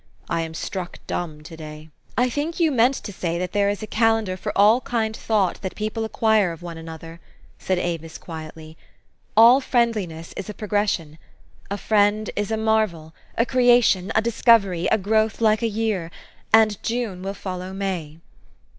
I am struck dumb to day." " I think you meant to say that there is a calendar for all kind thought that people acquire of one an other," said Avis quietly. "All friendliness is a progression. A friend is a marvel, a creation, a discovery, a growth like a year; and June will follow May."